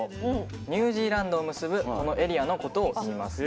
ニュージーランドを結ぶこのエリアのことをいいます。